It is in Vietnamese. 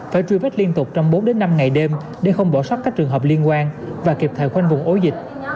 phải truy vết liên tục trong bốn đến năm ngày đêm để không bỏ sót các trường hợp liên quan và kịp thời khoanh vùng ổ dịch